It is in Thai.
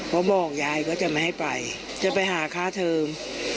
บอกยายก็จะไม่ให้ไปจะไปหาค่าเทอม